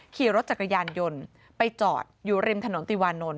ขี่รถจักรยานยนต์ไปจอดอยู่ริมถนนติวานนท